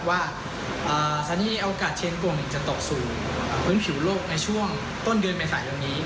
ว่าสถานีโอกาสเชียงกงจะตกสู่พื้นผิวโลกในช่วงต้นเดือนเมษายนนี้